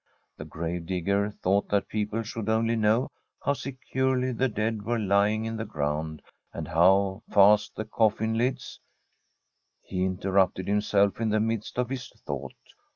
The grave digger thought that people should only know how securely the dead were lying in the ground, and how fast the cof fin lids. ... He interrupted himself in the midst of this thought.